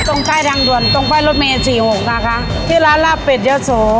ตรงใกล้ทางดวนตรงใกล้รถเมศสี่หกนะคะที่ร้านลาเป็ดเยอะโส